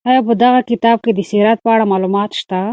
آیا په دغه کتاب کې د سیرت په اړه معلومات شته؟